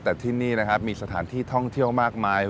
แต่ที่นี่มีสถานที่ท่องเที่ยวมากมาย